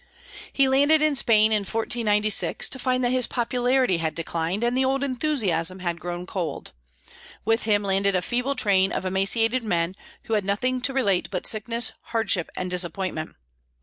He landed in Spain, in 1496, to find that his popularity had declined and the old enthusiasm had grown cold. With him landed a feeble train of emaciated men, who had nothing to relate but sickness, hardship, and disappointment.